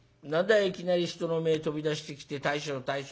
いきなり人の前飛び出してきて大将大将。